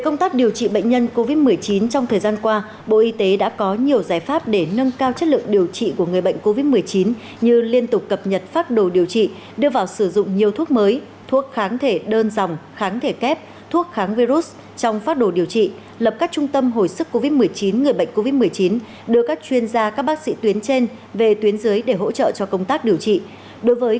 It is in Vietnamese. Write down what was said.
công tác điều trị bệnh nhân covid một mươi chín trong thời gian qua bộ y tế đã có nhiều giải pháp để nâng cao chất lượng điều trị của người bệnh covid một mươi chín như liên tục cập nhật phát đồ điều trị đưa vào sử dụng nhiều thuốc mới thuốc kháng thể đơn dòng kháng thể kép thuốc kháng virus trong phát đồ điều trị lập các trung tâm hồi sức covid một mươi chín người bệnh covid một mươi chín đưa các chuyên gia các bác sĩ tuyến trên về tuyến dưới để hỗ trợ cho công tác điều trị